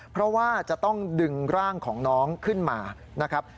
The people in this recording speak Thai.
เพราะว่าจะต้องดึงร่างของน้องขึ้นมานะครับ